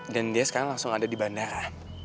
dan dia sekarang langsung ada di bandara